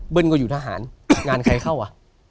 ก็อยู่ทหารงานใครเข้าอ่ะ